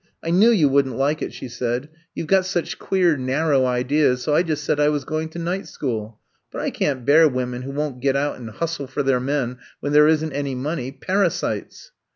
'* I knew you would n 't like it, '' she said. You 've got such queer narrow ideas, so I just said I was going to night school. But I can't bear women who won't get out and hustle for their men when there is n 't any money ! Parasites